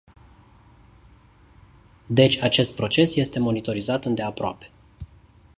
Deci acest proces este monitorizat îndeaproape.